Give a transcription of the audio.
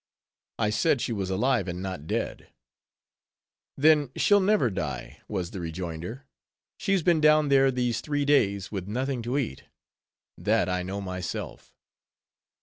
I said she was alive, and not dead. "Then she'll never die," was the rejoinder. "She's been down there these three days, with nothing to eat;—that I know myself."